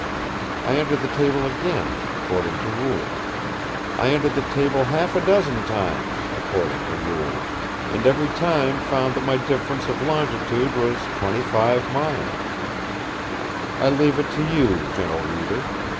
I entered the table again, according to rule; I entered the table half a dozen times, according to rule, and every time found that my difference of longitude was 25 miles. I leave it to you, gentle reader.